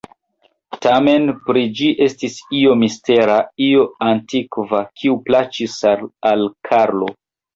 Tamen pri ĝi estis io mistera, io antikva, kiu plaĉis al Karlo.